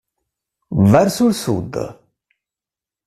Verso il sud